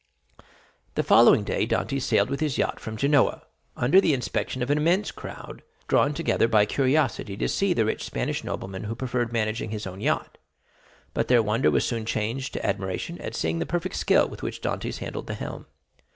0313m Two hours afterward Dantès sailed from the port of Genoa, under the inspection of an immense crowd drawn together by curiosity to see the rich Spanish nobleman who preferred managing his own yacht. But their wonder was soon changed to admiration at seeing the perfect skill with which Dantès handled the helm.